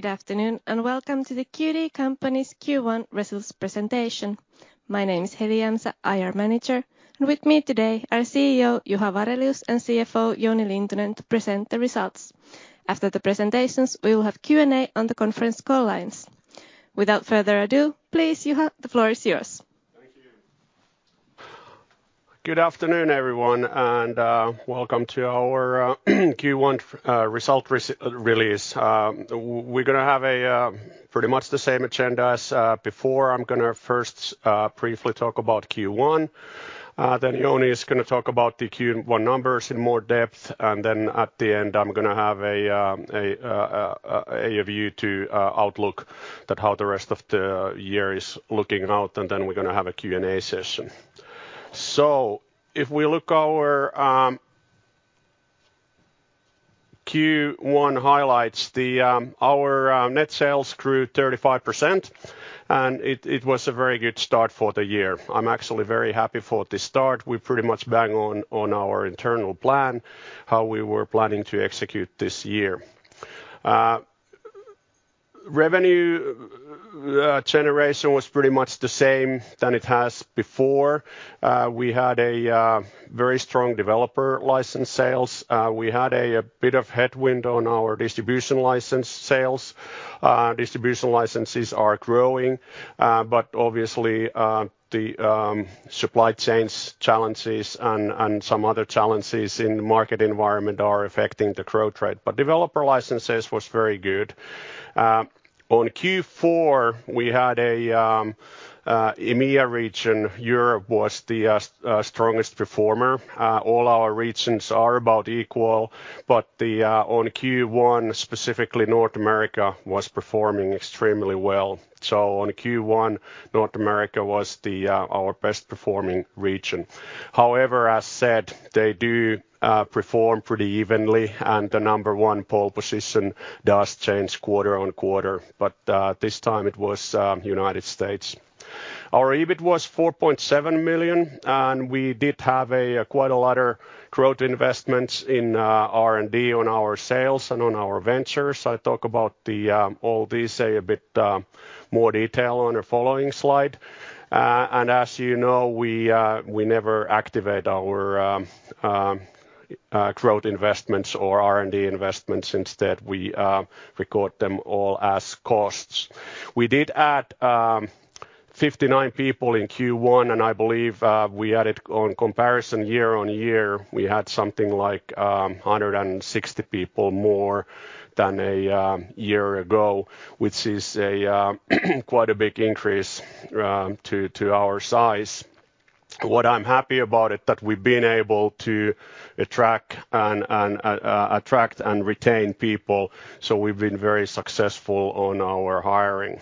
Good afternoon, and welcome to the Qt Company's Q1 Results Presentation. My name is Heli Jämsä, IR Manager, and with me today are CEO Juha Varelius and CFO Jouni Lintunen to present the results. After the presentations, we will have Q&A on the conference call lines. Without further ado, please, Juha, the floor is yours. Thank you. Good afternoon, everyone, and welcome to our Q1 results release. We're gonna have pretty much the same agenda as before. I'm gonna first briefly talk about Q1, then Jouni is gonna talk about the Q1 numbers in more depth, and then at the end I'm gonna have a view to the outlook as to how the rest of the year is looking, and then we're gonna have a Q&A session. If we look at our Q1 highlights, our net sales grew 35% and it was a very good start for the year. I'm actually very happy with the start. We pretty much bang on our internal plan, how we were planning to execute this year. Revenue generation was pretty much the same as it has before. We had a very strong developer license sales. We had a bit of headwind on our distribution license sales. Distribution licenses are growing, but obviously, the supply chain challenges and some other challenges in the market environment are affecting the growth rate. Developer licenses was very good. On Q4, we had a EMEA region. Europe was the strongest performer. All our regions are about equal, but on Q1, specifically North America was performing extremely well. On Q1, North America was our best performing region. However, as said, they do perform pretty evenly, and the number one pole position does change quarter-on-quarter, but this time it was United States. Our EBIT was 4.7 million, and we did have quite a lot of growth investments in R&D on our sales and on our ventures. I talk about all these a bit more detail on the following slide. As you know, we never capitalize our growth investments or R&D investments. Instead, we record them all as costs. We did add 59 people in Q1, and I believe, on year-on-year comparison, we had something like 160 people more than a year ago, which is quite a big increase to our size. What I'm happy about is that we've been able to attract and retain people, so we've been very successful in our hiring.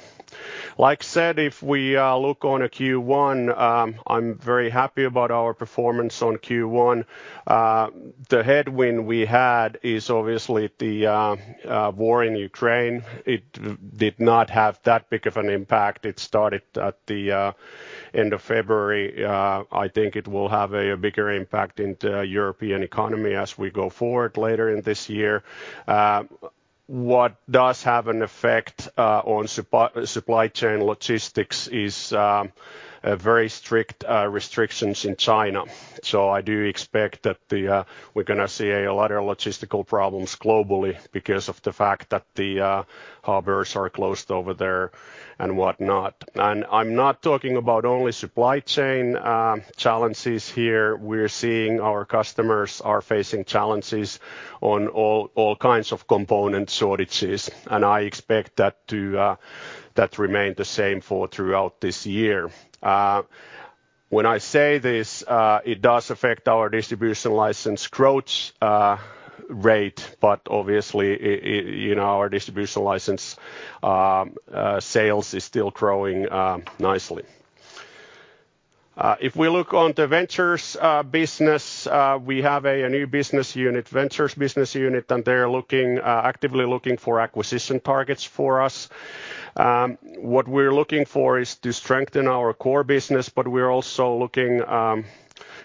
Like I said, if we look at Q1, I'm very happy about our performance in Q1. The headwind we had is obviously the war in Ukraine. It did not have that big of an impact. It started at the end of February. I think it will have a bigger impact into European economy as we go forward later in this year. What does have an effect on supply chain logistics is very strict restrictions in China. I do expect that we're gonna see a lot of logistical problems globally because of the fact that the harbors are closed over there and whatnot. I'm not talking about only supply chain challenges here. We're seeing our customers are facing challenges on all kinds of component shortages, and I expect that to remain the same throughout this year. When I say this, it does affect our distribution license growth rate, but obviously you know, our distribution license sales is still growing nicely. If we look at the ventures business, we have a new business unit, ventures business unit, and they're actively looking for acquisition targets for us. What we're looking for is to strengthen our core business, but we're also looking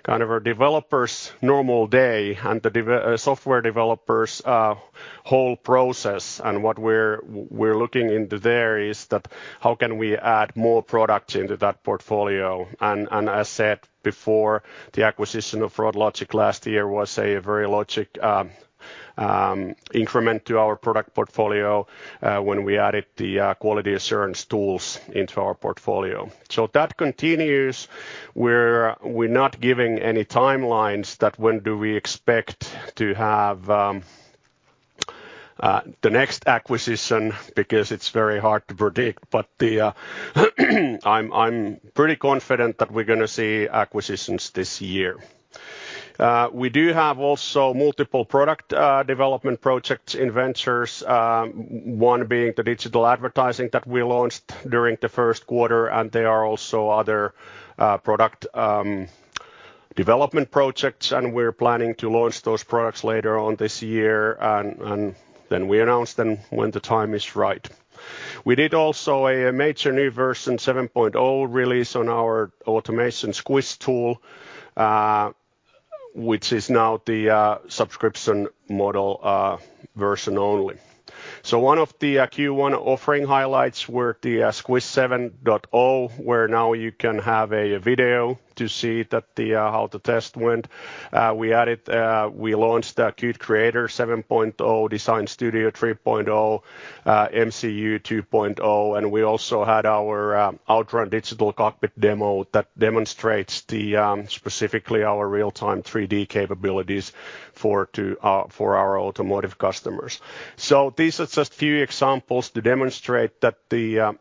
kind of a developer's normal day and the software developer's whole process and what we're looking into there is that how can we add more product into that portfolio? As said before, the acquisition of froglogic last year was a very logical increment to our product portfolio when we added the quality assurance tools into our portfolio. That continues. We're not giving any timelines that when do we expect to have the next acquisition because it's very hard to predict, but I'm pretty confident that we're gonna see acquisitions this year. We do have also multiple product development projects in various, one being the digital advertising that we launched during the first quarter, and there are also other product development projects, and we're planning to launch those products later on this year and then we announce them when the time is right. We did also a major new version 7.0 release of our automation Squish tool. Which is now the subscription model version only. One of the Q1 offering highlights were the Squish 7.0, where now you can have a video to see how the test went. We launched the Qt Creator 7.0, Qt Design Studio 3.0, MCU 2.0, and we also had our ultra digital cockpit demo that demonstrates specifically our real-time 3D capabilities for our automotive customers. These are just few examples to demonstrate that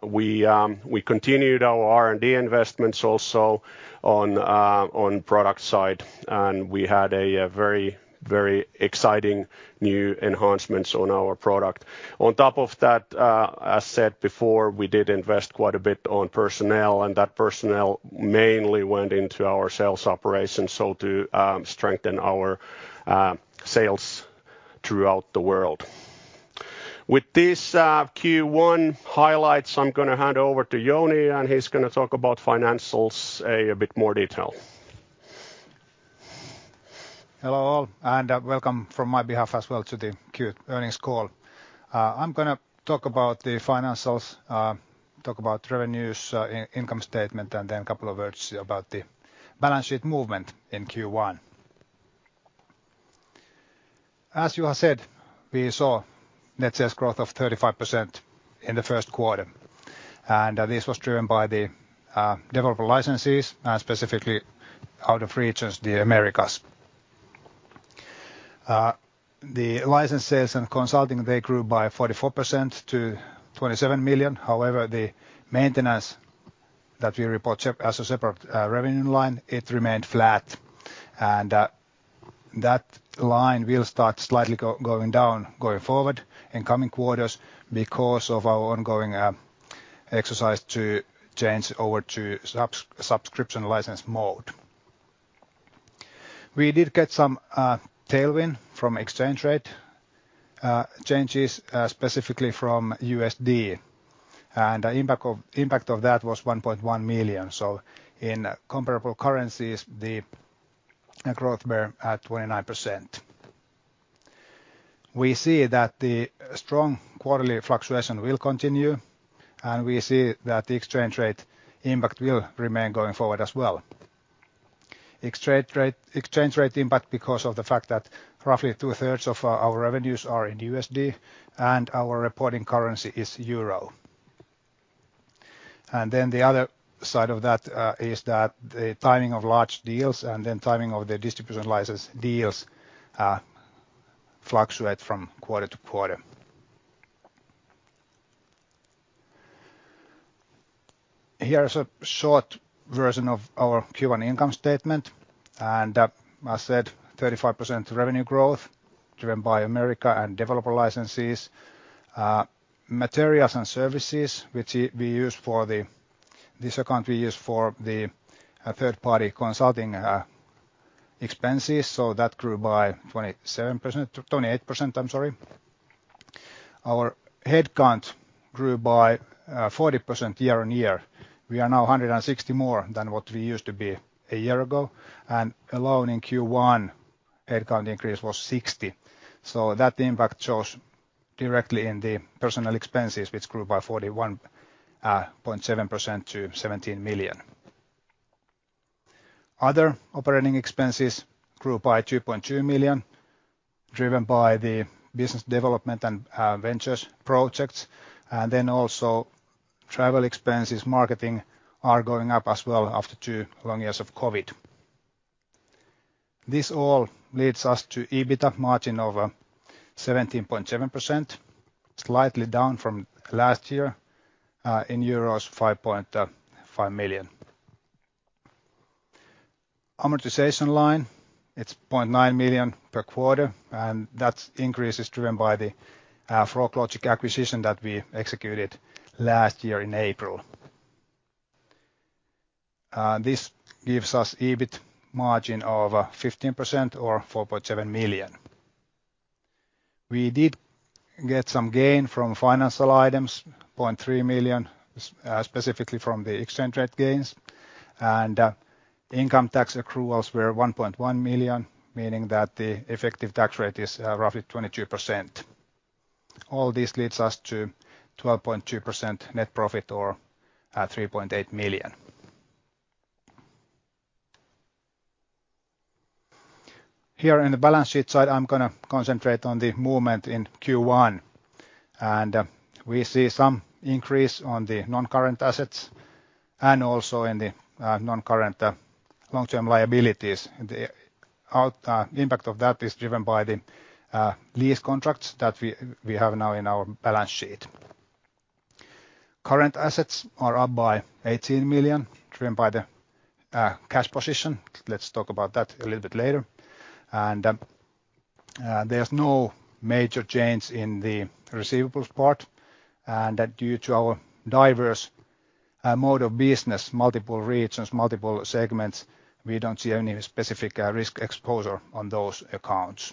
we continued our R&D investments also on product side, and we had a very, very exciting new enhancements on our product. On top of that, as said before, we did invest quite a bit on personnel, and that personnel mainly went into our sales operations, so to strengthen our sales throughout the world. With this, Q1 highlights, I'm gonna hand over to Jouni, and he's gonna talk about financials a bit more detail. Hello, all, and welcome from my behalf as well to the Qt earnings call. I'm gonna talk about the financials, talk about revenues, income statement, and then a couple of words about the balance sheet movement in Q1. As Juha said, we saw net sales growth of 35% in the first quarter. This was driven by the developer licenses, specifically out of the region, the Americas. The license sales and consulting, they grew by 44% to 27 million. However, the maintenance that we report as a separate revenue line, it remained flat, and that line will start slightly going down going forward in coming quarters because of our ongoing exercise to change over to subscription license mode. We did get some tailwind from exchange rate changes specifically from USD, and the impact of that was 1.1 million. In comparable currencies, the growth were at 29%. We see that the strong quarterly fluctuation will continue, and we see that the exchange rate impact will remain going forward as well. Exchange rate impact because of the fact that roughly two-thirds of our revenues are in USD and our reporting currency is euro. The other side of that is that the timing of large deals and the timing of the distribution license deals fluctuate from quarter to quarter. Here is a short version of our Q1 income statement, and as said, 35% revenue growth driven by America and developer licenses. Materials and services, which we use for third party consulting expenses, so that grew by 28%, I'm sorry. Our headcount grew by 40% year-on-year. We are now 160 more than what we used to be a year ago, and alone in Q1, headcount increase was 60. That impact shows directly in the personnel expenses, which grew by 41.7% to 17 million. Other operating expenses grew by 2.2 million, driven by the business development and ventures projects. Then also travel expenses, marketing are going up as well after two long years of COVID. This all leads us to EBITA margin of 17.7%, slightly down from last year, in euros 5.5 million. Amortization line, it's 0.9 million per quarter, and that increase is driven by the froglogic acquisition that we executed last year in April. This gives us EBIT margin of 15% or 4.7 million. We did get some gain from financial items, 0.3 million, specifically from the exchange rate gains. Income tax accruals were 1.1 million, meaning that the effective tax rate is roughly 22%. All this leads us to 12.2% net profit or 3.8 million. Here in the balance sheet side, I'm gonna concentrate on the movement in Q1, and we see some increase on the non-current assets and also in the non-current long-term liabilities. The impact of that is driven by the lease contracts that we have now in our balance sheet. Current assets are up by 18 million, driven by the cash position. Let's talk about that a little bit later. There's no major change in the receivables part, and that due to our diverse mode of business, multiple regions, multiple segments, we don't see any specific risk exposure on those accounts.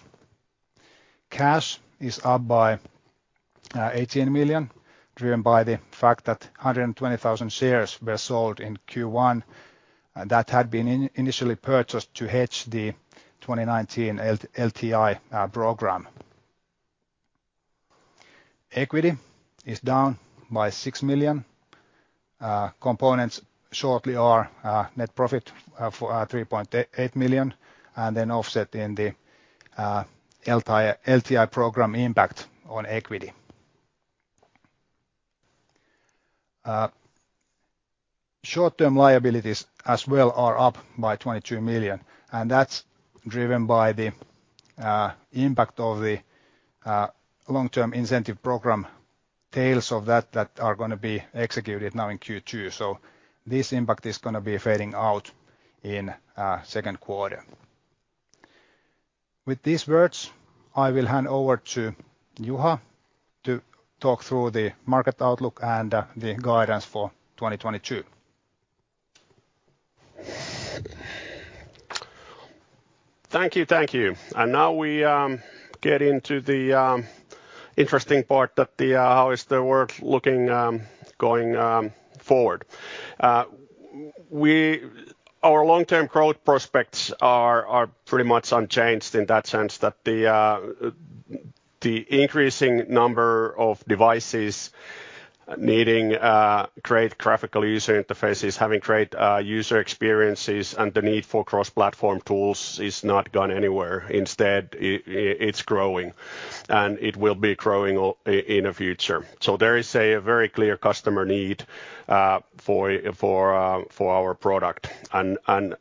Cash is up by 18 million, driven by the fact that 120,000 shares were sold in Q1 that had been initially purchased to hedge the 2019 LTI program. Equity is down by 6 million. Components shortly are net profit for 3.8 million, and then offset in the LTI program impact on equity. Short-term liabilities as well are up by 22 million, and that's driven by the impact of the long-term incentive program tails of that that are gonna be executed now in Q2. This impact is gonna be fading out in second quarter. With these words, I will hand over to Juha to talk through the market outlook and the guidance for 2022. Thank you. Thank you. Now we get into the interesting part that the how is the world looking going forward. Our long-term growth prospects are pretty much unchanged in that sense that the increasing number of devices needing great graphical user interfaces, having great user experiences, and the need for cross-platform tools is not gone anywhere. Instead, it's growing, and it will be growing in the future. There is a very clear customer need for our product and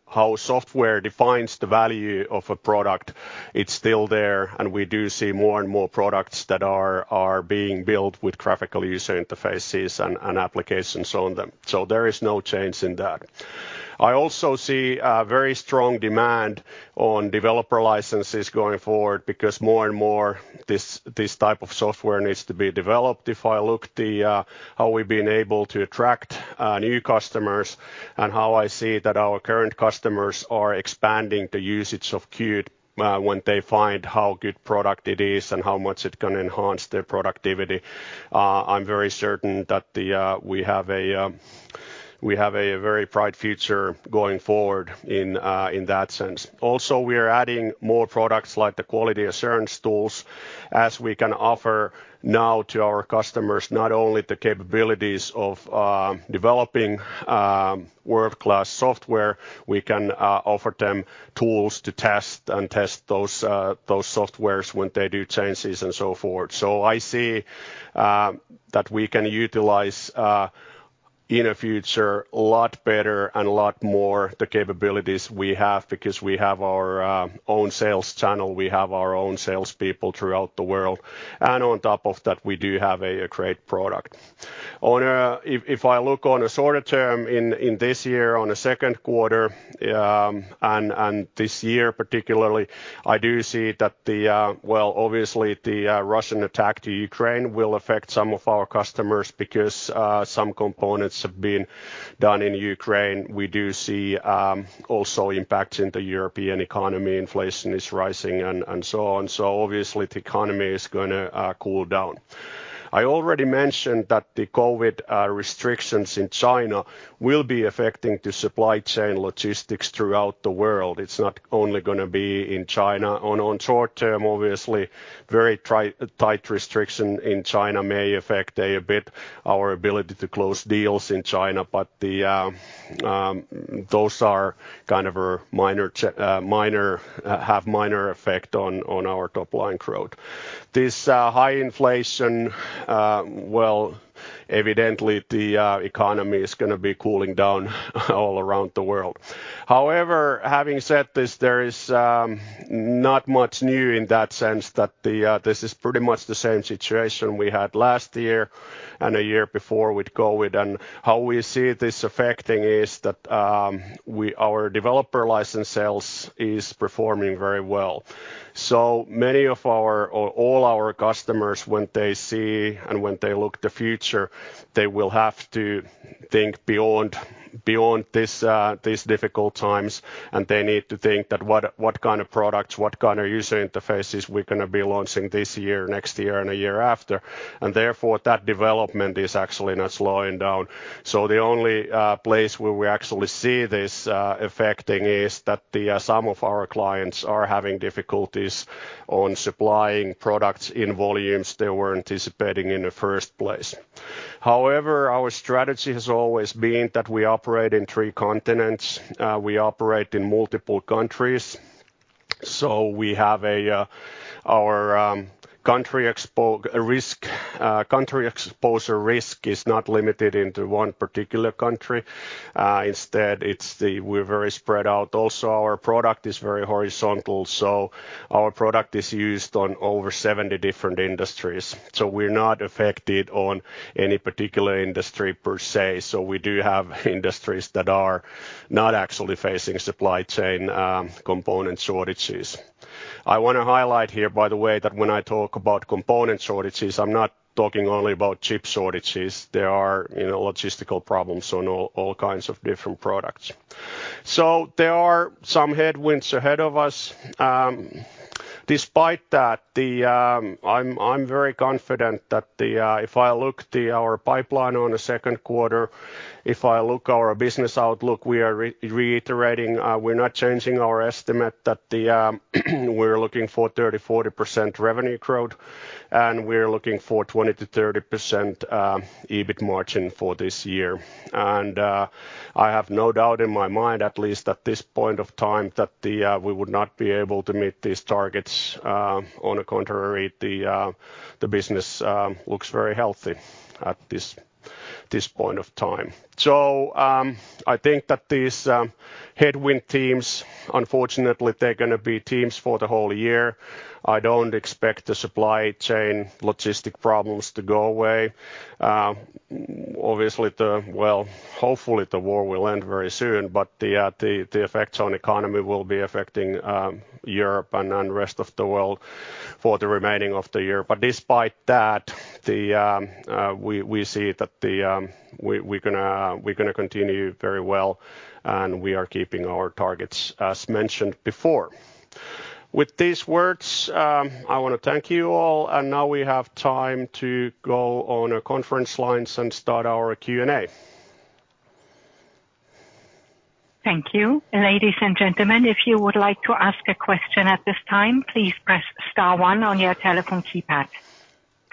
how software defines the value of a product, it's still there. We do see more and more products that are being built with graphical user interfaces and applications on them. There is no change in that. I also see a very strong demand on developer licenses going forward because more and more this type of software needs to be developed. If I look at how we've been able to attract new customers and how I see that our current customers are expanding the usage of Qt when they find how good a product it is and how much it can enhance their productivity, I'm very certain that we have a very bright future going forward in that sense. Also, we are adding more products like the quality assurance tools, as we can offer now to our customers not only the capabilities of developing world-class software, we can offer them tools to test those software when they do changes and so forth. I see that we can utilize in the future a lot better and a lot more the capabilities we have because we have our own sales channel, we have our own sales people throughout the world. On top of that, we do have a great product. If I look on a shorter term in this year, on the second quarter, and this year particularly, I do see that well, obviously the Russian attack to Ukraine will affect some of our customers because some components have been done in Ukraine. We do see also impacts in the European economy. Inflation is rising and so on. Obviously the economy is gonna cool down. I already mentioned that the COVID restrictions in China will be affecting the supply chain logistics throughout the world. It's not only gonna be in China. On short term, obviously, very tight restriction in China may affect a bit our ability to close deals in China, but those are kind of a minor effect on our top line growth. This high inflation, well, evidently the economy is gonna be cooling down all around the world. However, having said this, there is not much new in that sense that this is pretty much the same situation we had last year and a year before with COVID. How we see this affecting is that our developer license sales is performing very well. Many of our or all our customers, when they see and when they look the future, they will have to think beyond these difficult times. They need to think what kind of products, what kind of user interfaces we're gonna be launching this year, next year, and the year after. Therefore, that development is actually not slowing down. The only place where we actually see this affecting is that some of our clients are having difficulties on supplying products in volumes they were anticipating in the first place. However, our strategy has always been that we operate in three continents. We operate in multiple countries. We have our country exposure risk is not limited into one particular country. Instead, it's that we're very spread out. Our product is very horizontal, so our product is used on over 70 different industries, so we're not affected on any particular industry per se. We do have industries that are not actually facing supply chain, component shortages. I wanna highlight here, by the way, that when I talk about component shortages, I'm not talking only about chip shortages. There are, you know, logistical problems on all kinds of different products. There are some headwinds ahead of us. Despite that, I'm very confident that if I look our pipeline on the second quarter, if I look our business outlook, we are reiterating, we're not changing our estimate that we're looking for 30%-40% revenue growth, and we're looking for 20%-30% EBIT margin for this year. I have no doubt in my mind, at least at this point in time, that we would not be able to meet these targets. On the contrary, the business looks very healthy at this point in time. I think that these headwind themes, unfortunately, they're gonna be themes for the whole year. I don't expect the supply chain logistics problems to go away. Obviously, well, hopefully the war will end very soon, but the effects on the economy will be affecting Europe and rest of the world for the remainder of the year. Despite that, we see that we're gonna continue very well, and we are keeping our targets, as mentioned before. With these words, I wanna thank you all. Now we have time to go on our conference lines and start our Q&A. Thank you. Ladies and gentlemen, if you would like to ask a question at this time, please press star one on your telephone keypad.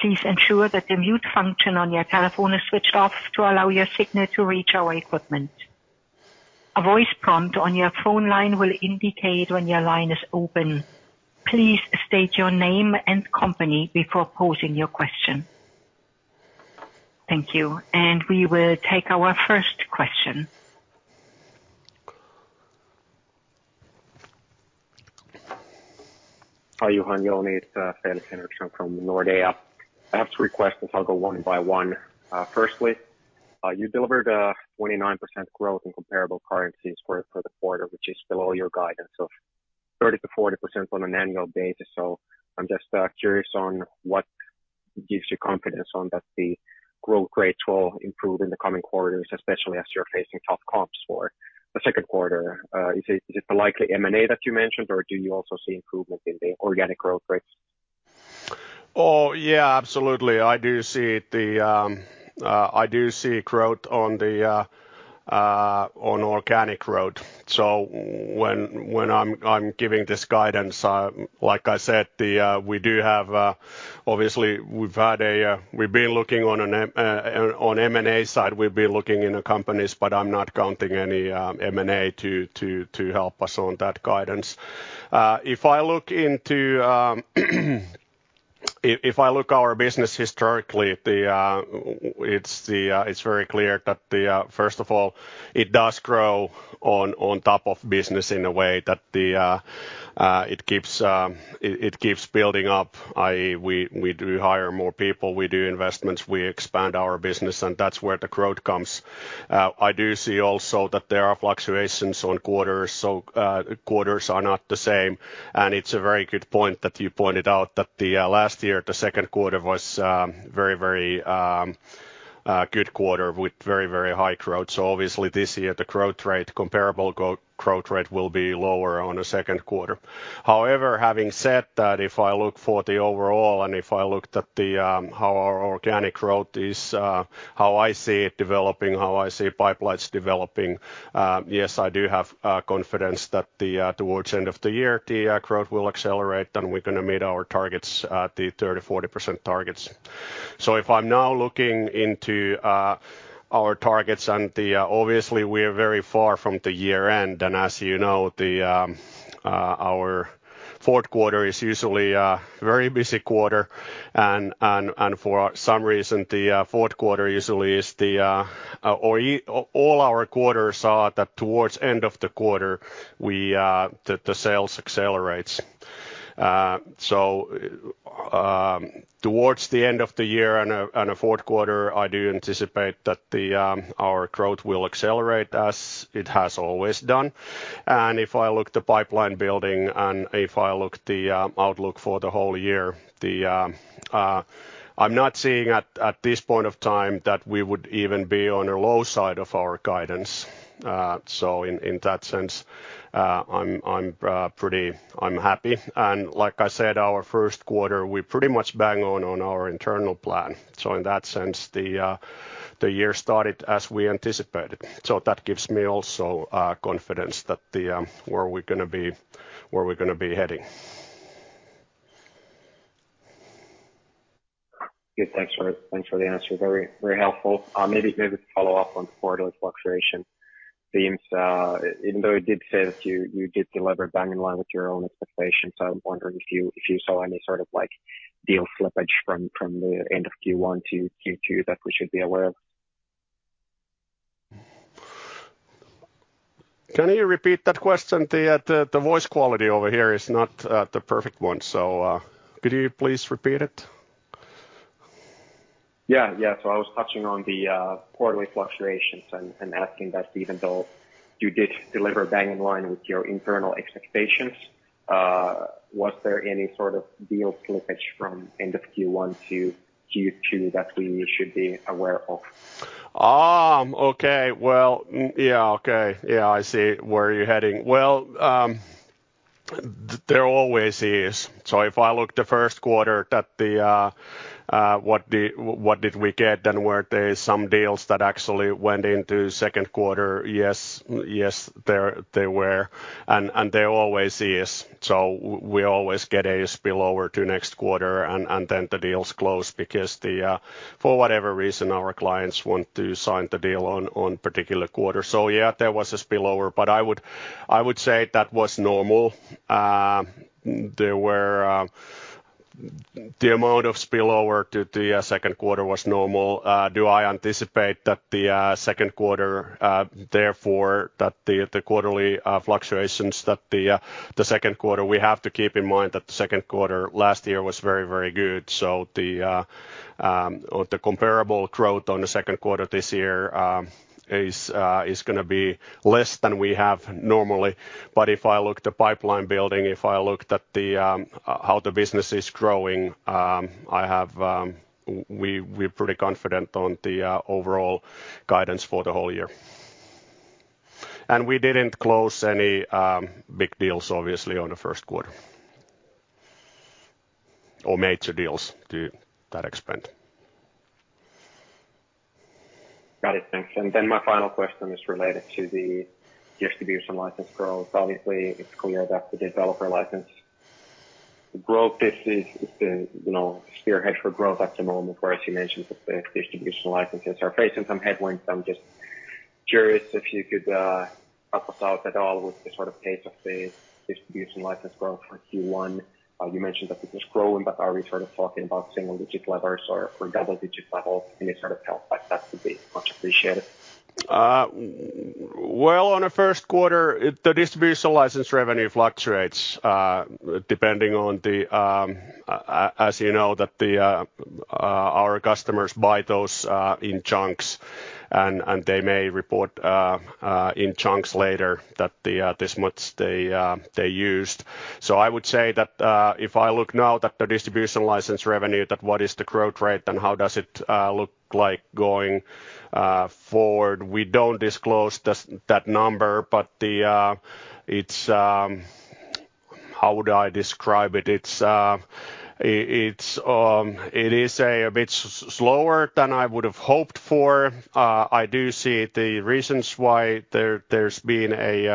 Please ensure that the mute function on your telephone is switched off to allow your signal to reach our equipment. A voice prompt on your phone line will indicate when your line is open. Please state your name and company before posing your question. Thank you. We will take our first question. Hi, Juha. It's Felix Henriksson from Nordea. I have three questions. I'll go one by one. Firstly, you delivered 29% growth in comparable currencies for the quarter, which is below your guidance of 30%-40% on an annual basis. I'm just curious on what gives you confidence that the growth rates will improve in the coming quarters, especially as you're facing tough comps for the second quarter. Is it the likely M&A that you mentioned, or do you also see improvement in the organic growth rates? Oh, yeah, absolutely. I do see growth on organic growth. When I'm giving this guidance, like I said, we do have, obviously we've been looking on an M&A side. We've been looking into companies, but I'm not counting any M&A to help us on that guidance. If I look at our business historically, it's very clear that, first of all, it does grow on top of business in a way that it keeps building up, i.e. we do hire more people, we do investments, we expand our business, and that's where the growth comes. I do see also that there are fluctuations on quarters. Quarters are not the same. It's a very good point that you pointed out that last year the second quarter was very good quarter with very high growth. Obviously this year, the growth rate, comparable growth rate will be lower on the second quarter. However, having said that, if I look for the overall, and if I looked at how our organic growth is, how I see it developing, how I see pipelines developing, yes, I do have confidence that towards the end of the year, the growth will accelerate and we're gonna meet our targets at the 30%-40% targets. If I'm now looking into our targets and the obviously we are very far from the year-end. As you know, our fourth quarter is usually a very busy quarter and for some reason the fourth quarter usually is. All our quarters are that towards end of the quarter the sales accelerates. Towards the end of the year and the fourth quarter, I do anticipate that our growth will accelerate as it has always done. If I look the pipeline building and if I look the outlook for the whole year, I'm not seeing at this point of time that we would even be on the low side of our guidance. In that sense, I'm pretty happy. Like I said, our first quarter, we pretty much bang on our internal plan. In that sense, the year started as we anticipated. That gives me also confidence that where we're gonna be heading. Yeah, thanks for the answer. Very helpful. Maybe to follow up on the quarter fluctuation themes. Even though you did say that you did deliver bang in line with your own expectations, so I'm wondering if you saw any sort of like deal slippage from the end of Q1 to Q2 that we should be aware of. Can you repeat that question? The voice quality over here is not the perfect one, so could you please repeat it? I was touching on the quarterly fluctuations and asking that even though you did deliver bang in line with your internal expectations, was there any sort of deal slippage from end of Q1 to Q2 that we should be aware of? Okay. Well, yeah, okay. Yeah, I see where you're heading. Well, there always is. If I look at the first quarter, what did we get? Then were there some deals that actually went into second quarter? Yes, there were. There always is. We always get a spillover to next quarter, and then the deals close because, for whatever reason, our clients want to sign the deal on particular quarter. Yeah, there was a spillover. I would say that was normal. There were. The amount of spillover to the second quarter was normal. Do I anticipate that the second quarter, therefore, the quarterly fluctuations. We have to keep in mind that the second quarter last year was very, very good. The comparable growth on the second quarter this year is gonna be less than we have normally. If I look at the pipeline building, how the business is growing, we're pretty confident on the overall guidance for the whole year. We didn't close any big deals, obviously, on the first quarter. Or major deals to that extent. Got it. Thanks. Then my final question is related to the distribution license growth. Obviously, it's clear that the developer license growth is a, you know, spearhead for growth at the moment, whereas you mentioned that the distribution licenses are facing some headwinds. I'm just curious if you could help us out at all with the sort of pace of the distribution license growth for Q1. You mentioned that it was growing, but are we sort of talking about single-digit levels or double-digit levels? Any sort of help like that would be much appreciated. Well, on the first quarter, the distribution license revenue fluctuates depending on the, as you know, that our customers buy those in chunks, and they may report in chunks later that this much they used. I would say that if I look now that the distribution license revenue, that what is the growth rate and how does it look like going forward? We don't disclose this, that number, but it's. How would I describe it? It's it's it is a bit slower than I would have hoped for. I do see the reasons why there's been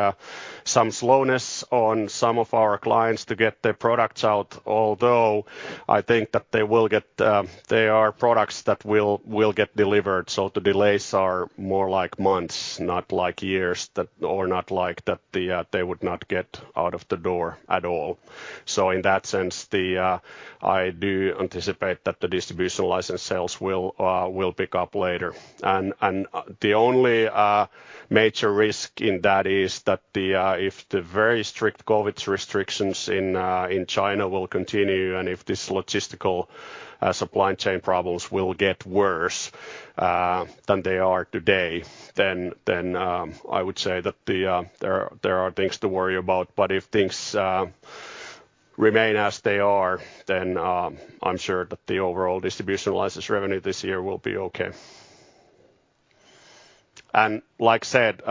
some slowness on some of our clients to get their products out. Although I think that they are products that will get delivered. The delays are more like months, not like years or not like that they would not get out of the door at all. In that sense, I do anticipate that the distribution license sales will pick up later. The only major risk in that is that if the very strict COVID restrictions in China will continue, and if this logistical supply chain problems will get worse than they are today, then I would say that there are things to worry about. If things remain as they are, then I'm sure that the overall distribution license revenue this year will be okay. Like I said,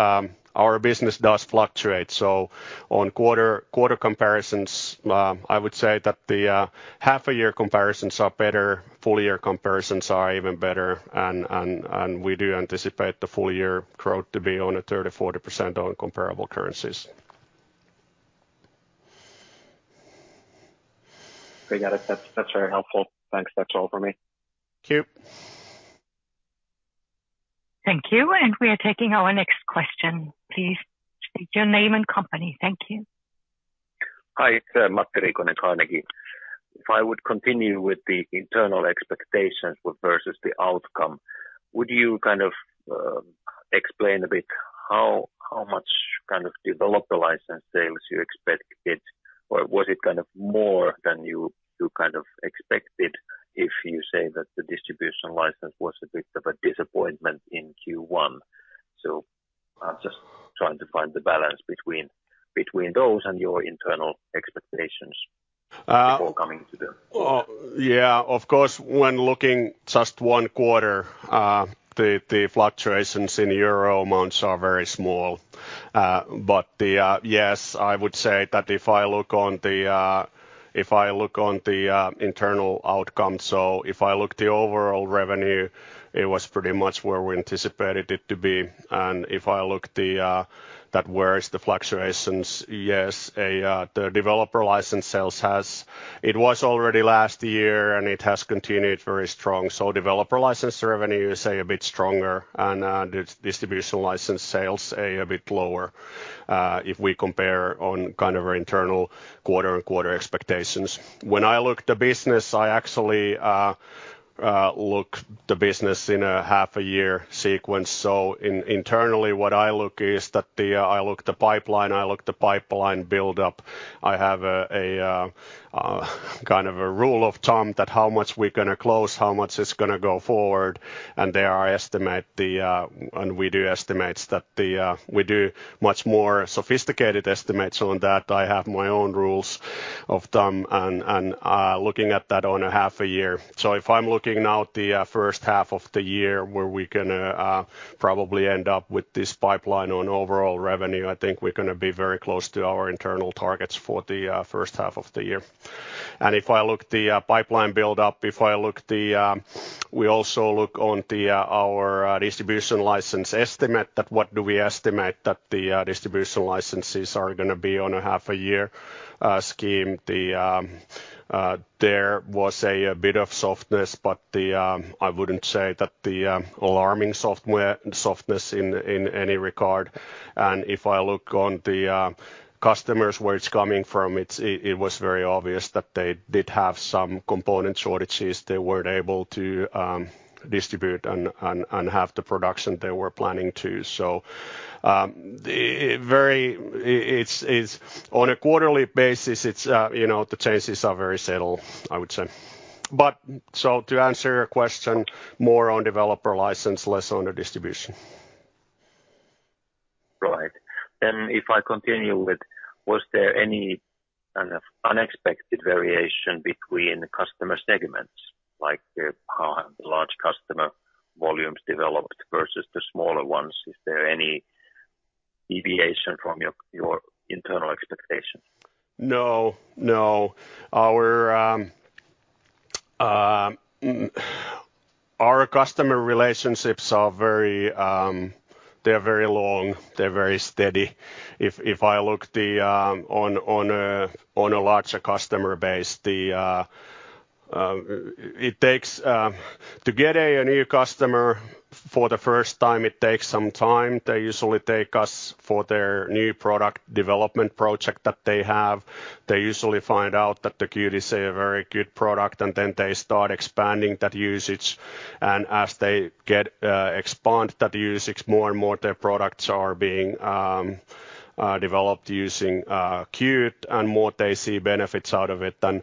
our business does fluctuate. Quarter-over-quarter comparisons, I would say that the half-year comparisons are better, full-year comparisons are even better. We do anticipate the full-year growth to be on a 30%, 40% on comparable currencies. We got it. That's very helpful. Thanks. That's all for me. Thank you. Thank you. We are taking our next question. Please state your name and company. Thank you. Hi, it's Matti Riikonen, Carnegie. If I would continue with the internal expectations versus the outcome, would you kind of explain a bit how much kind of developer license sales you expected? Or was it kind of more than you kind of expected if you say that the distribution license was a bit of a disappointment in Q1? I'm just trying to find the balance between those and your internal expectations before coming to the. Yeah, of course, when looking just one quarter, the fluctuations in euro amounts are very small. But yes, I would say that if I look on the internal outcome, so if I look the overall revenue, it was pretty much where we anticipated it to be. If I look the that where is the fluctuations, yes, the developer license sales has. It was already last year, and it has continued very strong. Developer license revenue is, say, a bit stronger and the distribution license sales a bit lower, if we compare on kind of our internal quarter-on-quarter expectations. When I look the business, I actually look the business in a half a year sequence. Internally, I look at the pipeline build-up. I have kind of a rule of thumb for how much we're gonna close, how much it's gonna go forward. There I estimate, and we do much more sophisticated estimates on that. I have my own rules of thumb looking at that on a half a year. If I'm looking now at the first half of the year where we're gonna probably end up with this pipeline on overall revenue, I think we're gonna be very close to our internal targets for the first half of the year. If I look at the pipeline build up, we also look at our distribution license estimate that what do we estimate that the distribution licenses are gonna be on a half a year scheme. There was a bit of softness, but I wouldn't say that it's alarming software softness in any regard. If I look at the customers where it's coming from, it was very obvious that they did have some component shortages. They weren't able to distribute and have the production they were planning to. It's on a quarterly basis, you know, the changes are very subtle, I would say. To answer your question more on developer license, less on the distribution. Right. If I continue with, was there any kind of unexpected variation between the customer segments, like how the large customer volumes developed versus the smaller ones? Is there any deviation from your internal expectation? No, no. Our customer relationships are very, they're very long, they're very steady. If I look on a larger customer base, it takes to get a new customer for the first time it takes some time. They usually take us for their new product development project that they have. They usually find out that the Qt is a very good product, and then they start expanding that usage. And as they expand that usage more and more their products are being developed using Qt and more they see benefits out of it. And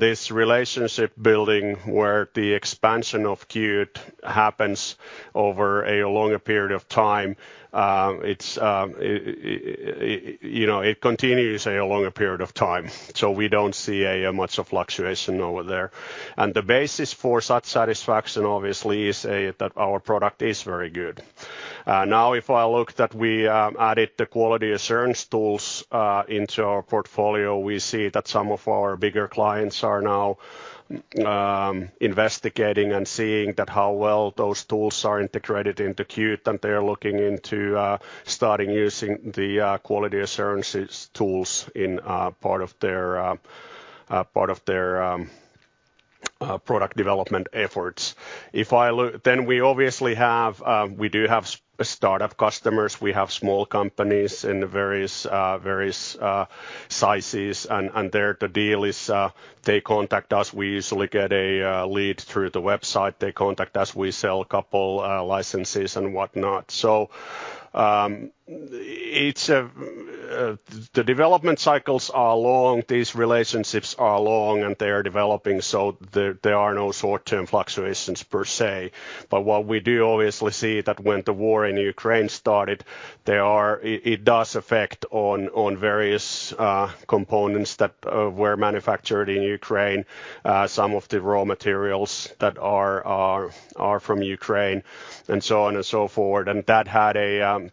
this relationship building where the expansion of Qt happens over a longer period of time, it's, you know, it continues a longer period of time. We don't see much of a fluctuation over there. The basis for such satisfaction obviously is that our product is very good. Now if I look that we added the quality assurance tools into our portfolio, we see that some of our bigger clients are now investigating and seeing how well those tools are integrated into Qt, and they're looking into starting using the quality assurance tools in part of their product development efforts. We obviously have startup customers. We have small companies in various sizes and there the deal is, they contact us. We usually get a lead through the website. They contact us, we sell a couple licenses and whatnot. It's the development cycles are long, these relationships are long, and they are developing, so there are no short-term fluctuations per se. What we obviously see is that when the war in Ukraine started, it does affect on various components that were manufactured in Ukraine. Some of the raw materials that are from Ukraine and so on and so forth.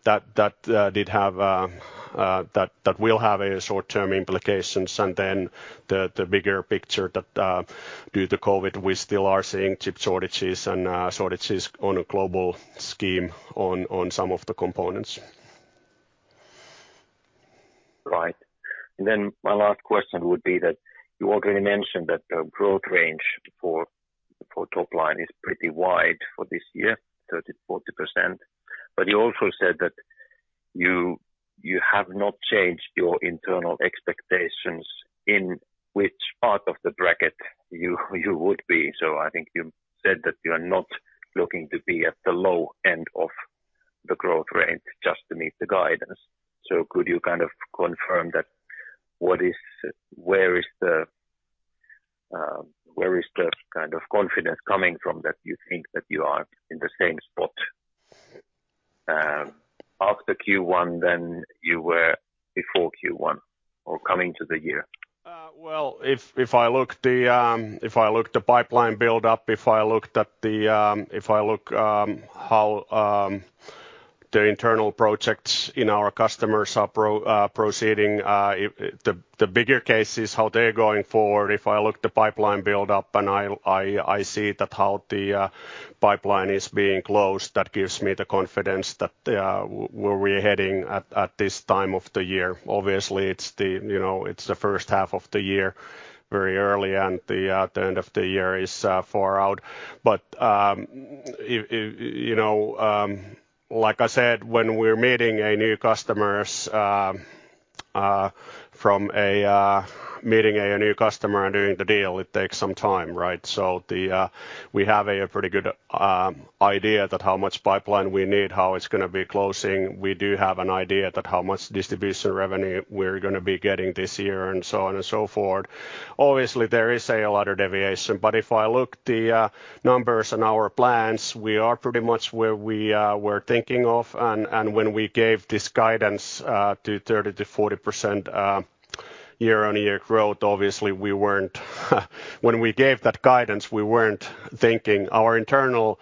That will have a short-term implications. The bigger picture that due to COVID, we still are seeing chip shortages and shortages on a global scale on some of the components. Right. Then my last question would be that you already mentioned that the growth range for top line is pretty wide for this year, 30%, 40%. You also said that you have not changed your internal expectations in which part of the bracket you would be. I think you said that you're not looking to be at the low end of the growth range just to meet the guidance. Could you kind of confirm that where is the kind of confidence coming from that you think that you are in the same spot after Q1 than you were before Q1 or coming to the year? Well, if I look at the pipeline build up, if I look at how the internal projects in our customers are proceeding, the bigger cases, how they're going forward. If I look at the pipeline build up and I see how the pipeline is being closed, that gives me the confidence that where we're heading at this time of the year. Obviously, it's, you know, the first half of the year, very early, and the end of the year is far out. You know, like I said, when we're meeting a new customer and doing the deal, it takes some time, right? We have a pretty good idea of how much pipeline we need, how it's gonna be closing. We do have an idea of how much distribution revenue we're gonna be getting this year and so on and so forth. Obviously, there is a lot of deviation. If I look at the numbers and our plans, we are pretty much where we were thinking of. When we gave this guidance to 30%-40% year-on-year growth, obviously we weren't thinking. Our internal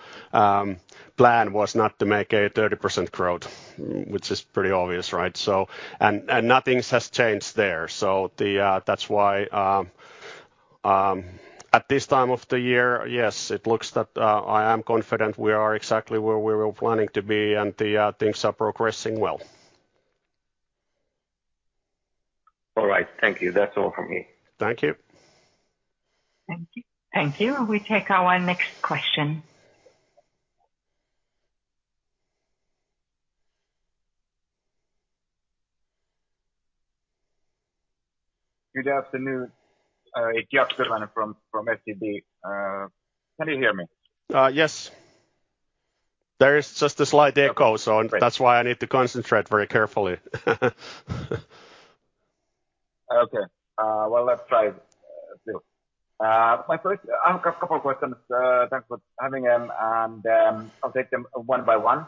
plan was not to make a 30% growth, which is pretty obvious, right? Nothing has changed there. That's why at this time of the year, yes, it looks that I am confident we are exactly where we were planning to be, and the things are progressing well. All right. Thank you. That's all from me. Thank you. Thank you. Thank you. We take our next question. Good afternoon. It's Jaakko Tyrväinen from SEB. Can you hear me? Yes. There is just a slight echo. Okay. Great. That's why I need to concentrate very carefully. Okay. Well, let's try it too. I have a couple of questions. Thanks for having them, and I'll take them one by one.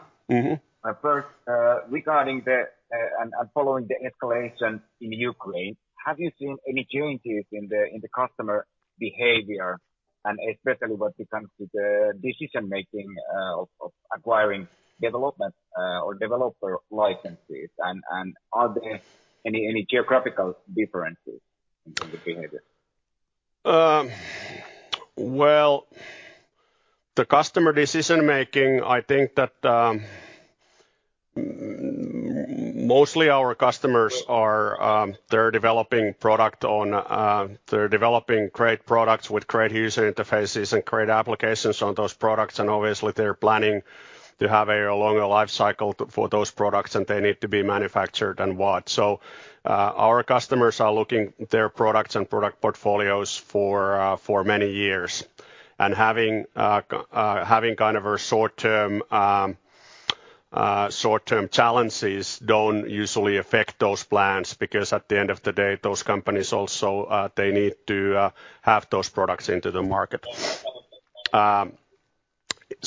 Following the escalation in Ukraine, have you seen any changes in the customer behavior, and especially when it comes to the decision-making of acquiring development or developer licenses? Are there any geographical differences in the behavior? Well, the customer decision-making, I think that, mostly our customers are, they're developing great products with great user interfaces and great applications on those products, and obviously they're planning to have a longer life cycle for those products, and they need to be manufactured and what. Our customers are looking at their products and product portfolios for many years. Having kind of short-term challenges don't usually affect those plans because at the end of the day, those companies also, they need to have those products into the market.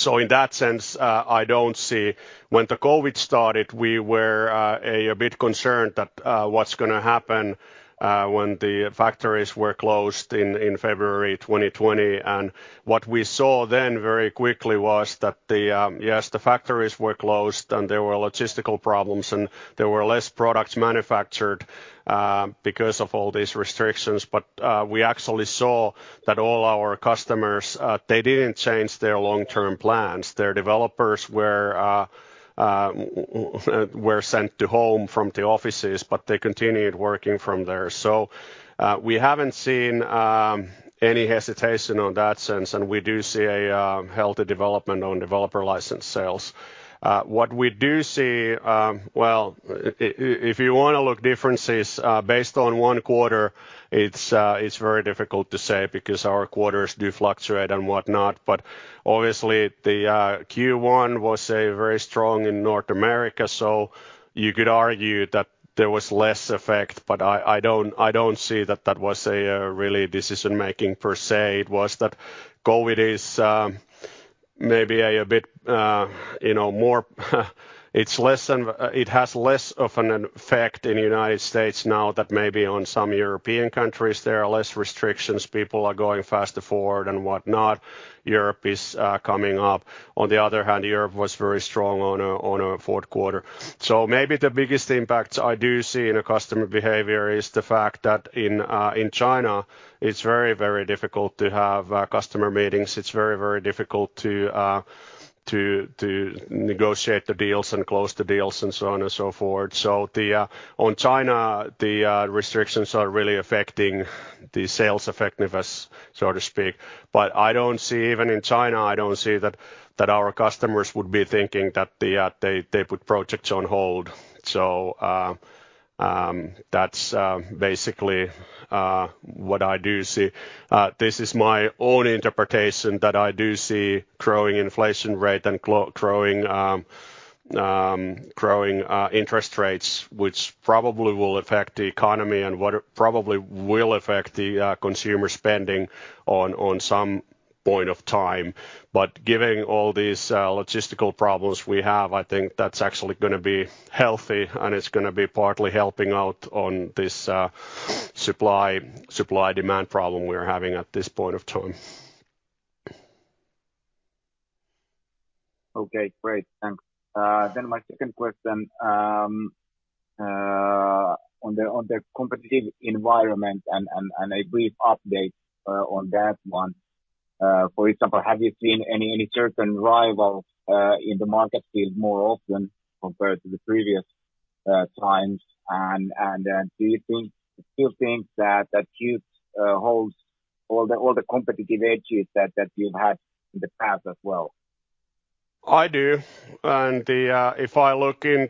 In that sense, I don't see. When the COVID started, we were a bit concerned that, what's gonna happen, when the factories were closed in February 2020. What we saw then very quickly was that the factories were closed, and there were logistical problems, and there were less products manufactured because of all these restrictions. We actually saw that all our customers didn't change their long-term plans. Their developers were sent home from the offices, but they continued working from there. We haven't seen any hesitation in that sense, and we do see a healthy development in developer license sales. What we do see, well, if you want to look at differences based on one quarter, it's very difficult to say because our quarters do fluctuate and whatnot. Obviously the Q1 was very strong in North America, so you could argue that there was less effect, but I don't see that was a really decision-making per se. It was that COVID is maybe a bit, you know, more, it has less of an effect in the United States now than maybe on some European countries. There are less restrictions. People are going faster forward and whatnot. Europe is coming up. On the other hand, Europe was very strong on a fourth quarter. Maybe the biggest impact I do see in customer behavior is the fact that in China, it's very, very difficult to have customer meetings. It's very, very difficult to negotiate the deals and close the deals and so on and so forth. The restrictions on China are really affecting the sales effectiveness, so to speak. I don't see, even in China, I don't see that our customers would be thinking that they put projects on hold. That's basically what I do see. This is my own interpretation that I do see growing inflation rate and growing interest rates, which probably will affect the economy and what probably will affect the consumer spending on some point of time. Given all these logistical problems we have, I think that's actually gonna be healthy, and it's gonna be partly helping out on this supply-demand problem we're having at this point of time. Okay. Great. Thanks. Then my second question on the competitive environment and a brief update on that one. For example, have you seen any certain rival in the market field more often compared to the previous times? Do you think that the Qt holds all the competitive edges that you've had in the past as well? I do. If I look in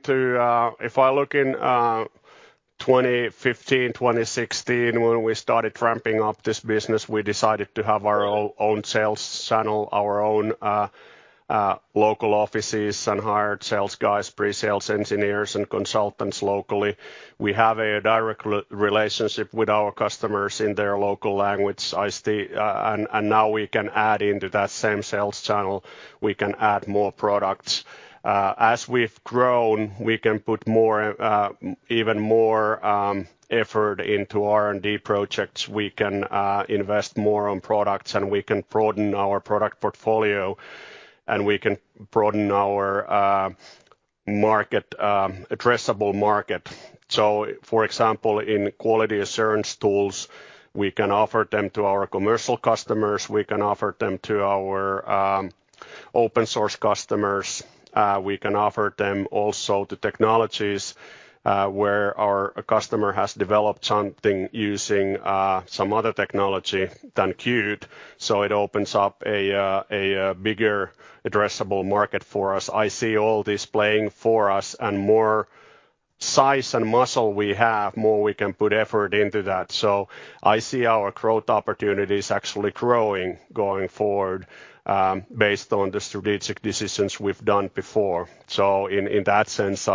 2015, 2016, when we started ramping up this business, we decided to have our own sales channel, our own local offices, and hired sales guys, pre-sales engineers, and consultants locally. We have a direct relationship with our customers in their local language, I see. Now we can add into that same sales channel, we can add more products. As we've grown, we can put more, even more, effort into R&D projects. We can invest more on products, and we can broaden our product portfolio. We can broaden our market addressable market. For example, in quality assurance tools, we can offer them to our commercial customers, we can offer them to our open source customers, we can offer them also to technologies, where our customer has developed something using some other technology than Qt, so it opens up a bigger addressable market for us. I see all this playing for us and more size and muscle we have, more we can put effort into that. I see our growth opportunities actually growing going forward, based on the strategic decisions we've done before. In that sense,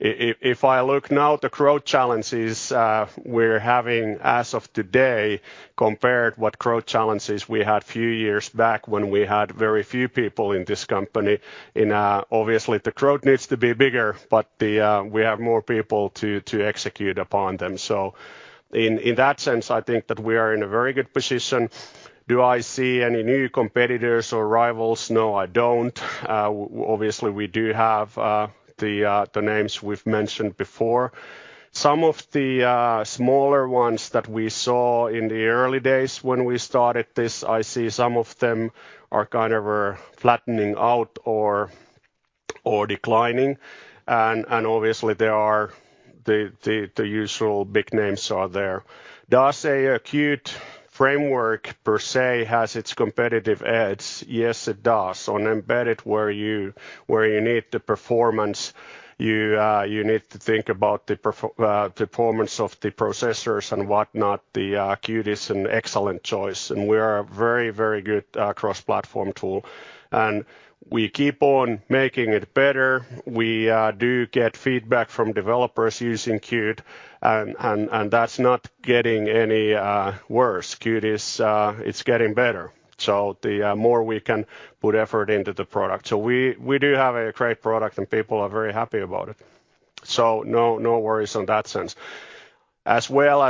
if I look now at the growth challenges we're having as of today compared what growth challenges we had few years back when we had very few people in this company. Obviously the growth needs to be bigger, but we have more people to execute upon them. In that sense, I think that we are in a very good position. Do I see any new competitors or rivals? No, I don't. Obviously we do have the names we've mentioned before. Some of the smaller ones that we saw in the early days when we started this, I see some of them are kind of flattening out or declining, and obviously there are the usual big names there. Does a Qt Framework per se has its competitive edge? Yes, it does. On embedded where you need the performance, you need to think about the performance of the processors and whatnot. Qt is an excellent choice, and we are a very good cross-platform tool. We keep on making it better. We do get feedback from developers using Qt and that's not getting any worse. Qt is, it's getting better. The more we can put effort into the product. We do have a great product, and people are very happy about it. No worries on that sense. You know, there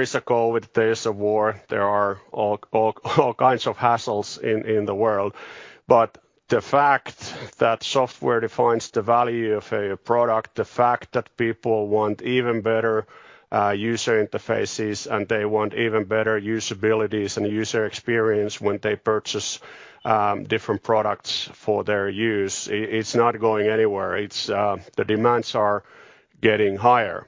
is a COVID, there is a war, there are all kinds of hassles in the world. The fact that software defines the value of a product, the fact that people want even better user interfaces, and they want even better usabilities and user experience when they purchase different products for their use, it's not going anywhere. It's the demands are getting higher.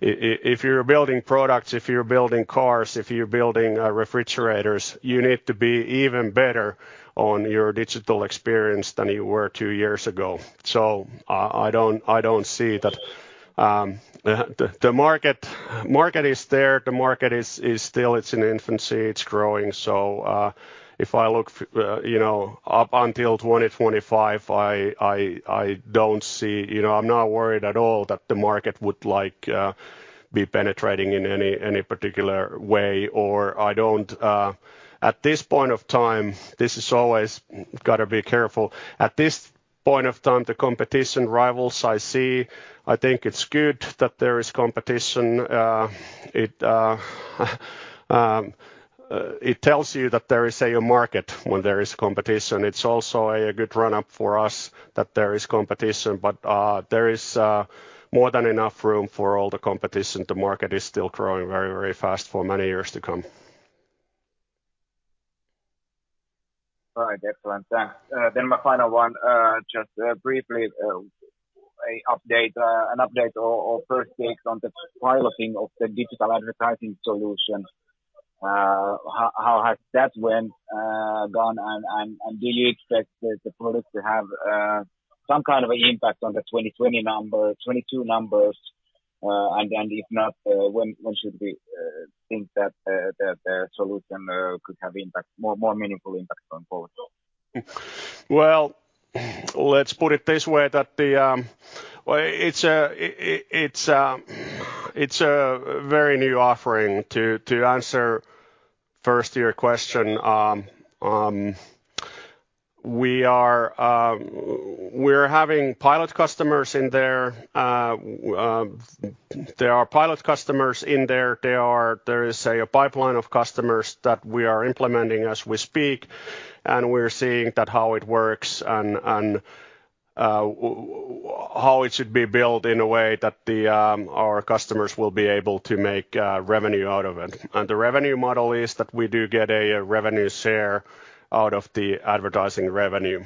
If you're building products, if you're building cars, if you're building refrigerators, you need to be even better on your digital experience than you were two years ago. I don't see that the market is there. The market is still in infancy. It's growing. If I look, you know, up until 2025, I don't see, you know, I'm not worried at all that the market would like be penetrating in any particular way, or I don't at this point of time, this is always gotta be careful. At this point of time, the competition rivals I see, I think it's good that there is competition. It tells you that there is a market when there is competition. It's also a good run-up for us that there is competition, but there is more than enough room for all the competition. The market is still growing very fast for many years to come. All right. Excellent. Thanks. My final one, just briefly, an update or first takes on the piloting of the digital advertising solution. How has that gone and do you expect the product to have some kind of impact on the 2020 number, 2022 numbers? And then if not, when should we think that that solution could have more meaningful impact going forward? Well, let's put it this way that it's a very new offering to answer first to your question. We're having pilot customers in there. There are pilot customers in there. There is a pipeline of customers that we are implementing as we speak, and we're seeing how it works and how it should be built in a way that our customers will be able to make revenue out of it. The revenue model is that we do get a revenue share out of the advertising revenue.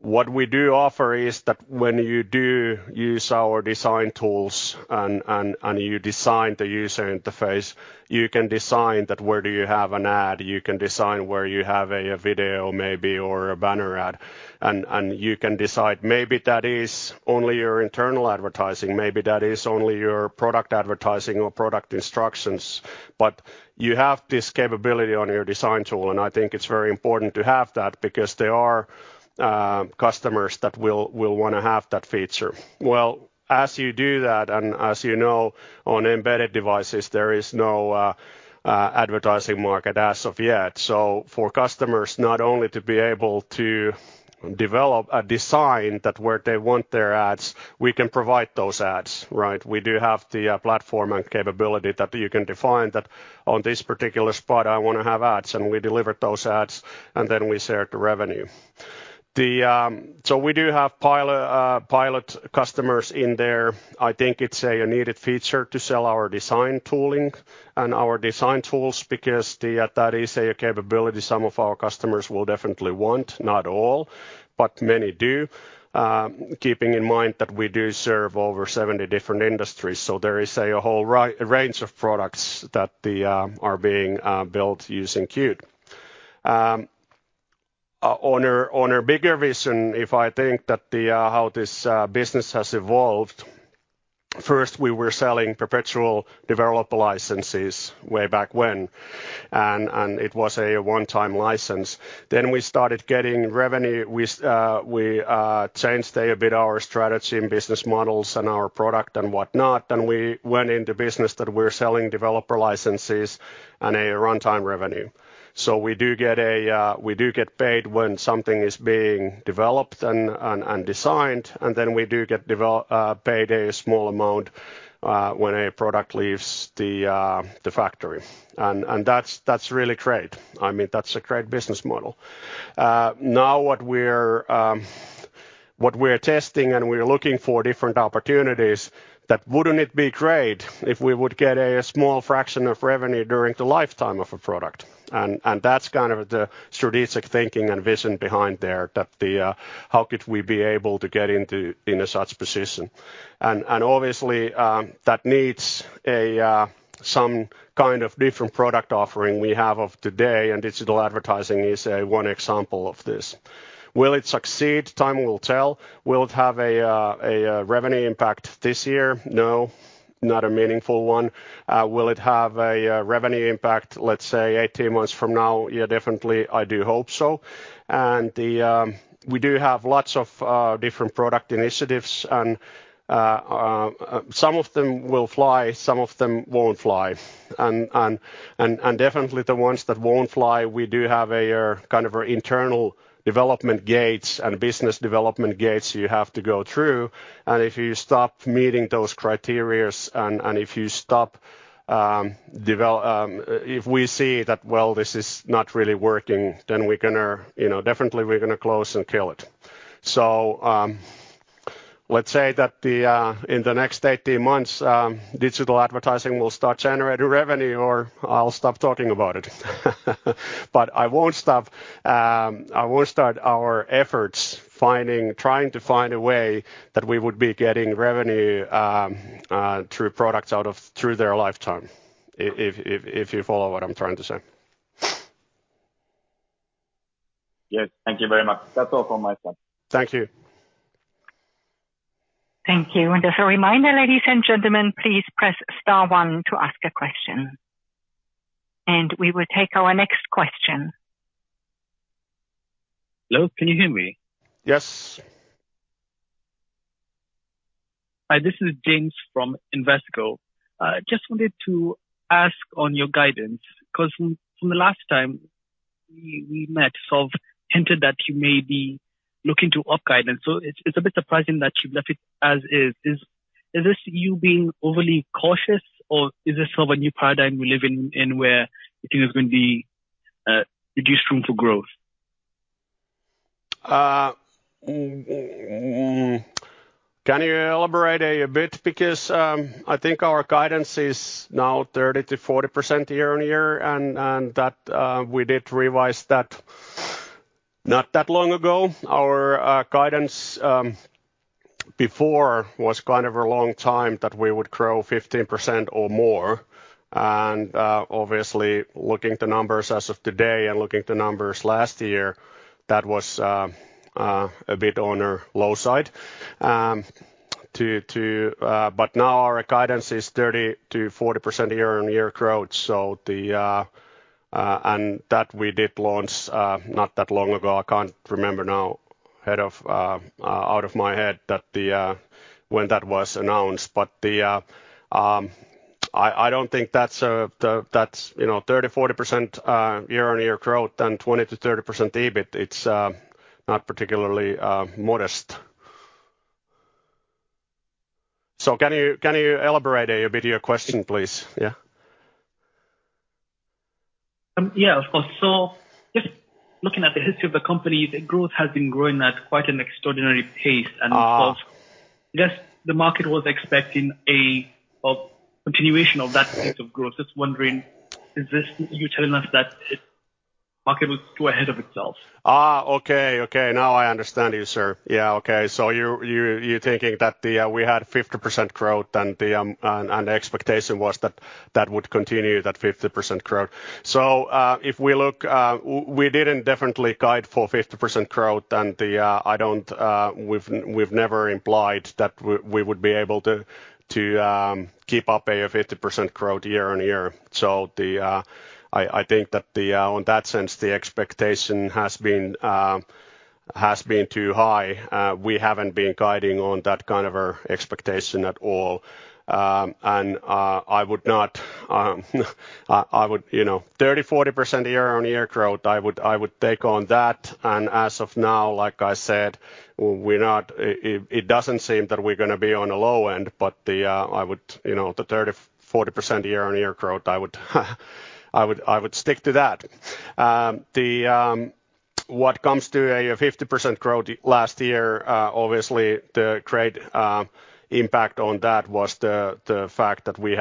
What we do offer is that when you do use our design tools and you design the user interface, you can design where you have an ad, you can design where you have a video maybe or a banner ad. You can decide maybe that is only your internal advertising, maybe that is only your product advertising or product instructions. You have this capability on your design tool, and I think it's very important to have that because there are customers that will wanna have that feature. As you do that, and as you know, on embedded devices, there is no advertising market as of yet. For customers not only to be able to develop a design where they want their ads, we can provide those ads, right? We do have the platform and capability that you can define that on this particular spot, I wanna have ads, and we deliver those ads, and then we share the revenue. Then we do have pilot customers in there. I think it's a needed feature to sell our design tooling and our design tools because that is a capability some of our customers will definitely want, not all, but many do. Keeping in mind that we do serve over 70 different industries, so there is a whole range of products that are being built using Qt. On a bigger vision, if I think of how this business has evolved, first, we were selling perpetual developer licenses way back when, and it was a one-time license. Then we started getting revenue. We changed a bit our strategy and business models and our product and whatnot. We went into business that we're selling developer licenses and a runtime revenue. We do get paid when something is being developed and designed, and then we do get paid a small amount when a product leaves the factory. That's really great. I mean, that's a great business model. Now what we are testing and we're looking for different opportunities that wouldn't it be great if we would get a small fraction of revenue during the lifetime of a product? That's kind of the strategic thinking and vision behind there, that how could we be able to get into in a such position. Obviously, that needs some kind of different product offering we have of today, and digital advertising is one example of this. Will it succeed? Time will tell. Will it have a revenue impact this year? No, not a meaningful one. Will it have a revenue impact, let's say 18 months from now? Yeah, definitely, I do hope so. We do have lots of different product initiatives and some of them will fly, some of them won't fly. Definitely the ones that won't fly, we do have a kind of internal development gates and business development gates you have to go through. If you stop meeting those criteria and if you stop, if we see that, well, this is not really working, then we're gonna, you know, definitely we're gonna close and kill it. Let's say that in the next 18 months, digital advertising will start generating revenue or I'll stop talking about it. I won't stop, I won't stop our efforts trying to find a way that we would be getting revenue through products out of through their lifetime if you follow what I'm trying to say. Yes. Thank you very much. That's all from my side. Thank you. Thank you. As a reminder, ladies and gentlemen, please press star one to ask a question. We will take our next question. Hello, can you hear me? Yes. Hi, this is James from Investico. I just wanted to ask on your guidance, 'cause from the last time we met, sort of hinted that you may be looking to up guidance. It's a bit surprising that you left it as is. Is this you being overly cautious or is this of a new paradigm we live in where you think there's gonna be reduced room for growth? Can you elaborate a bit? Because I think our guidance is now 30%-40% year-on-year and that we did revise that not that long ago. Our guidance before was kind of a long time ago that we would grow 15% or more. Obviously, looking at the numbers as of today and looking at the numbers last year, that was a bit on the low side. Now our guidance is 30%-40% year-on-year growth and that we did launch not that long ago. I can't remember now off the top of my head when that was announced. I don't think that's you know 30%-40% year-on-year growth and 20%-30% EBIT, it's not particularly modest. Can you elaborate a bit your question, please? Yeah, of course. Just looking at the history of the company, the growth has been growing at quite an extraordinary pace. I guess the market was expecting a continuation of that rate of growth. Just wondering, is this you telling us that market was too ahead of itself? Now I understand you, sir. Yeah, okay. You're thinking that we had 50% growth and the expectation was that would continue, that 50% growth. If we look, we didn't definitely guide for 50% growth and I don't, we've never implied that we would be able to keep up a 50% growth year-on-year. I think that in that sense, the expectation has been too high. We haven't been guiding on that kind of expectation at all. I would not, you know, 30%-40% year-on-year growth, I would take on that. As of now, like I said, it doesn't seem that we're gonna be on a low end, but I would, you know, the 30%-40% year-on-year growth, I would stick to that. What comes to a 50% growth last year, obviously the great impact on that was the fact that we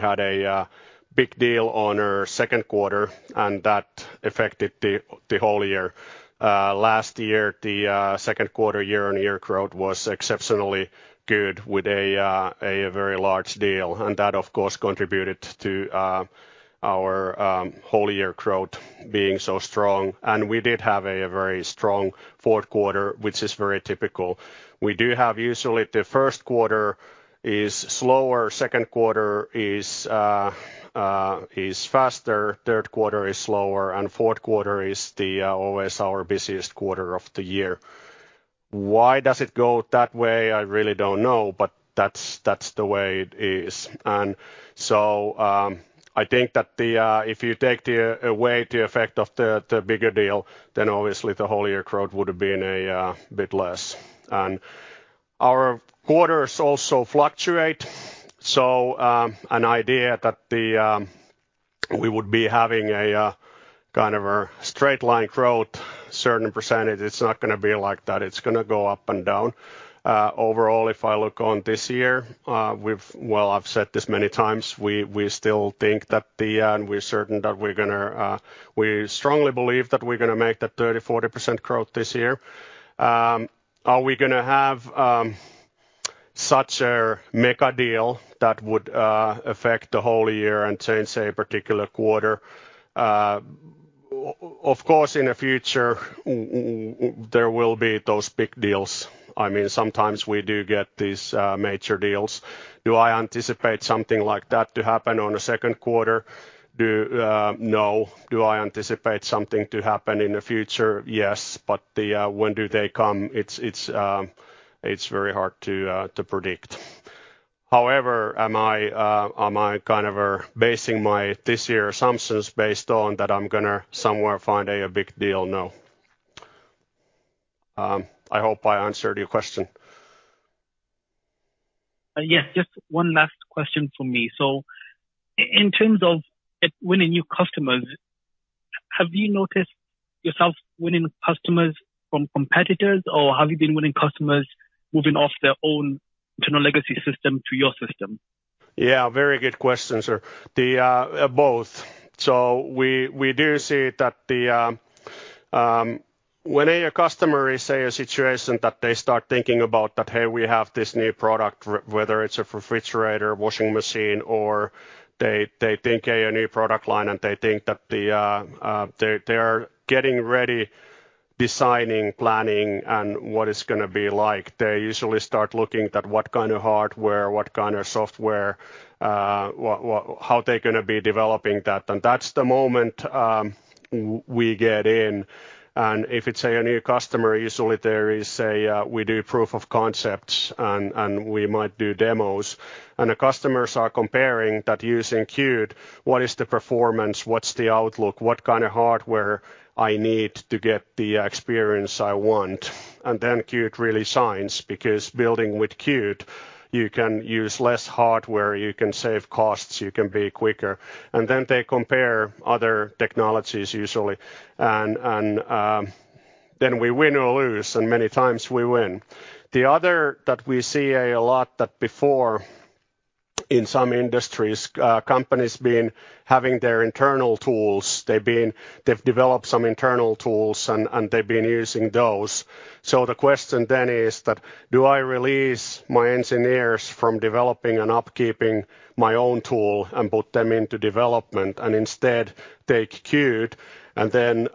had a big deal on our second quarter, and that affected the whole year. Last year, the second quarter year-on-year growth was exceptionally good with a very large deal. That, of course, contributed to our whole year growth being so strong. We did have a very strong fourth quarter, which is very typical. We do have usually the first quarter is slower, second quarter is faster, third quarter is slower, and fourth quarter is always our busiest quarter of the year. Why does it go that way? I really don't know, but that's the way it is. I think that if you take away the effect of the bigger deal, then obviously the whole year growth would have been a bit less. Our quarters also fluctuate. An idea that we would be having kind of a straight line growth, certain percentage, it's not gonna be like that. It's gonna go up and down. Overall, if I look on this year, we've. Well, I've said this many times, we still think that we're certain that we strongly believe that we're gonna make that 30%-40% growth this year. Are we gonna have such a mega deal that would affect the whole year and change a particular quarter? Of course, in the future, there will be those big deals. I mean, sometimes we do get these major deals. Do I anticipate something like that to happen on the second quarter? No. Do I anticipate something to happen in the future? Yes. When do they come? It's very hard to predict. However, am I kind of basing my this year assumptions based on that I'm gonna somewhere find a big deal? No. I hope I answered your question. Yes. Just one last question from me. In terms of winning new customers, have you noticed yourself winning customers from competitors, or have you been winning customers moving off their own internal legacy system to your system? Yeah, very good question, sir. Both. We do see that when a customer is in a situation that they start thinking about that, hey, we have this new product, whether it's a refrigerator, washing machine, or they think a new product line, and they think that they are getting ready, designing, planning and what it's gonna be like, they usually start looking at what kind of hardware, what kind of software, how they're gonna be developing that. That's the moment we get in. If it's a new customer, usually there is. We do proof of concepts and we might do demos. The customers are comparing that using Qt, what is the performance, what's the outlook, what kind of hardware I need to get the experience I want. Qt really shines because building with Qt, you can use less hardware, you can save costs, you can be quicker. They compare other technologies usually, then we win or lose, and many times we win. The other that we see a lot that before in some industries, companies been having their internal tools. They've developed some internal tools and they've been using those. The question then is that, do I release my engineers from developing and upkeeping my own tool and put them into development and instead take Qt and then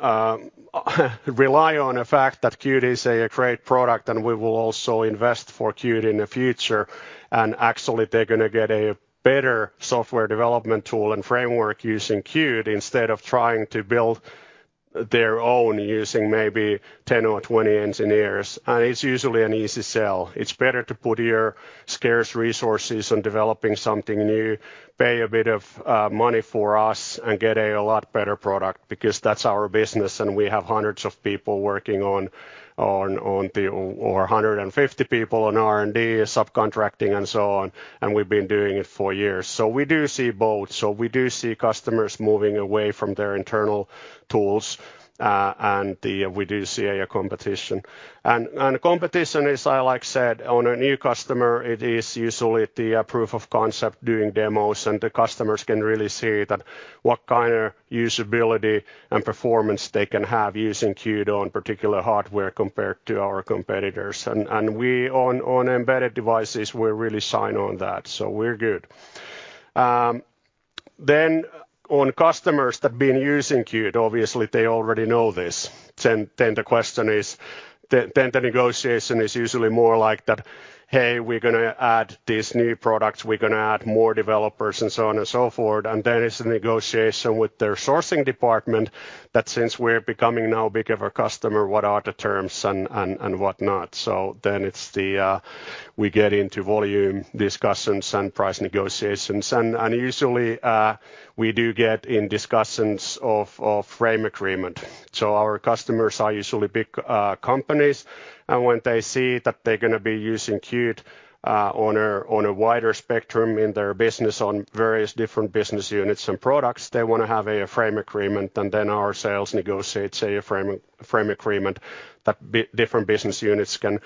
rely on the fact that Qt is a great product and we will also invest for Qt in the future? Actually they're gonna get a better software development tool and framework using Qt instead of trying to build their own using maybe 10 or 20 engineers. It's usually an easy sell. It's better to put your scarce resources on developing something new, pay a bit of money for us and get a lot better product because that's our business, and we have hundreds of people working on or 150 people on R&D, subcontracting and so on, and we've been doing it for years. We do see both. We do see customers moving away from their internal tools, and we do see a competition. Competition is, like I said, on a new customer, it is usually the proof of concept doing demos, and the customers can really see that what kind of usability and performance they can have using Qt on particular hardware compared to our competitors. We, on embedded devices, really shine on that. We're good. On customers that have been using Qt, obviously they already know this. The question is, then the negotiation is usually more like that, "Hey, we're gonna add these new products, we're gonna add more developers," and so on and so forth. It's a negotiation with their sourcing department that since we're becoming now bigger customer, what are the terms and whatnot. We get into volume discussions and price negotiations. Usually, we do get in discussions of framework agreement. Our customers are usually big companies. When they see that they're gonna be using Qt on a wider spectrum in their business on various different business units and products, they wanna have a framework agreement, and then our sales negotiates a framework agreement that different business units can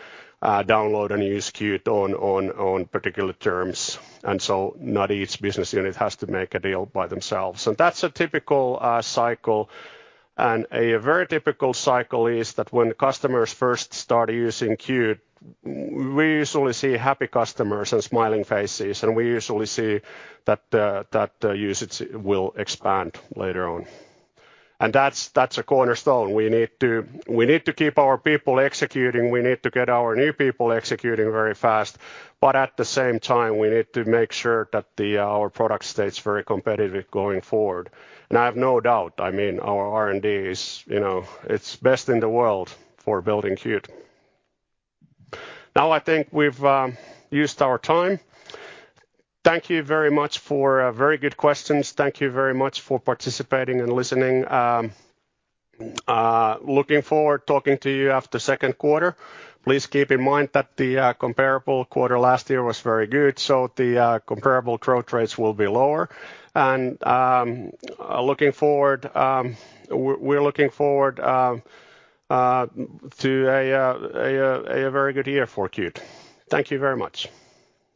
download and use Qt on particular terms. Not each business unit has to make a deal by themselves. That's a typical cycle. A very typical cycle is that when customers first start using Qt, we usually see happy customers and smiling faces, and we usually see that usage will expand later on. That's a cornerstone. We need to keep our people executing, we need to get our new people executing very fast, but at the same time, we need to make sure that our product stays very competitive going forward. I have no doubt, I mean, our R&D is, you know, it's best in the world for building Qt. Now, I think we've used our time. Thank you very much for very good questions. Thank you very much for participating and listening. Looking forward talking to you after second quarter. Please keep in mind that the comparable quarter last year was very good, so the comparable growth rates will be lower. Looking forward, we're looking forward to a very good year for Qt. Thank you very much.